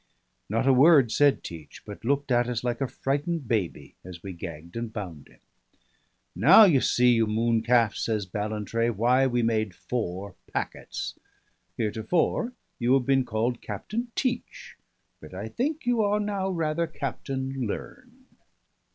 Not a word said Teach, but looked at us like a frightened baby as we gagged and bound him. "Now you see, you moon calf," says Ballantrae, "why we made four packets. Heretofore you have been called Captain Teach, but I think you are now rather Captain Learn."